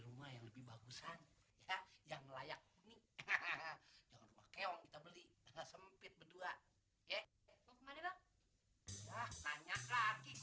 rumah yang lebih bagus yang layak nih hahaha jangan pakai kita beli sempit berdua ya